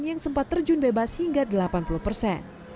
yang sempat terjun bebas hingga delapan puluh persen